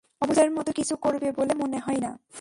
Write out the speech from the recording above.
অবুঝের মতো কিছু করবে বলে মনে হয় না।